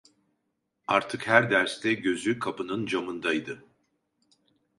Artık her derste gözü kapının camındaydı.